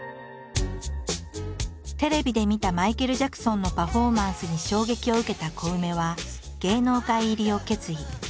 テレビで見たマイケル・ジャクソンのパフォーマンスに衝撃を受けたコウメは芸能界入りを決意。